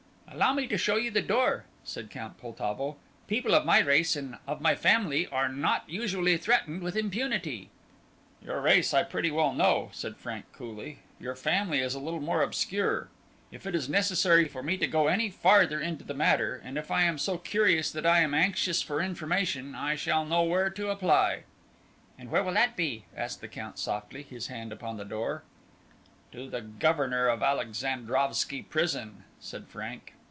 "Allow me to show you the door," said Count Poltavo. "People of my race and of my family are not usually threatened with impunity." "Your race I pretty well know," said Frank, coolly; "your family is a little more obscure. If it is necessary for me to go any farther into the matter, and if I am so curious that I am anxious for information, I shall know where to apply." "And where will that be?" asked the Count softly, his hand upon the door. "To the Governor of Alexandrovski Prison," said Frank.